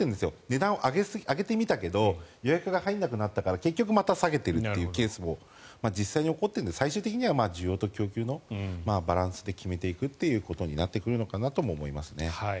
値段を上げてみたけど予約が入らなくなったからまた下げているというケースも実際に起こっているので最終的には需要と供給のバランスで決めていくということになってくるのかなとも思います。